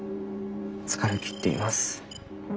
疲れ切っています。